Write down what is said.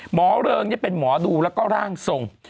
เริงเป็นหมอดูแล้วก็ร่างทรง